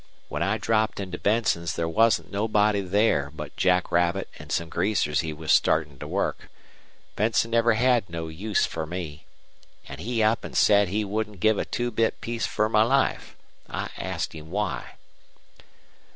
When I dropped into Benson's there wasn't nobody there but Jackrabbit an' some greasers he was startin' to work. Benson never had no use fer me. An' he up an' said he wouldn't give a two bit piece fer my life. I asked him why.